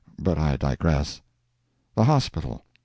But I digress. THE HOSPITAL.